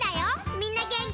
みんなげんき？